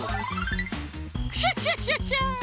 クシャシャシャシャ！